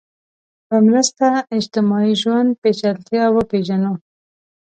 په مرسته اجتماعي ژوند پېچلتیا وپېژنو